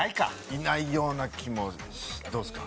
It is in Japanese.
いないような気もどうですか？